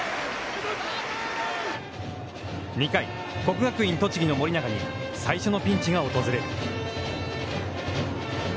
２回、国学院栃木の盛永に最初のピンチが訪れる。